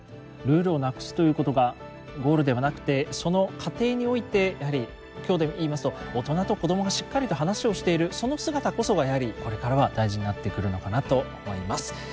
ルールをなくすということがゴールではなくてその過程においてやはり今日で言いますと大人と子どもがしっかりと話をしているその姿こそがやはりこれからは大事になってくるのかなと思います。